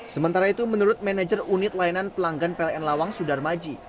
sementara itu menurut manajer unit layanan pelanggan pln lawang sudar maji